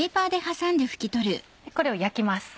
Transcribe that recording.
これを焼きます。